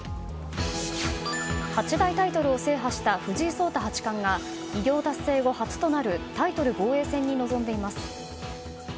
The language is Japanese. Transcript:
八大タイトルを制覇した藤井聡太八冠が偉業達成後、初となるタイトル防衛戦に臨んでいます。